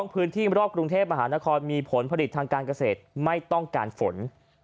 พื้นที่รอบกรุงเทพมหานครมีผลผลิตทางการเกษตรไม่ต้องการฝน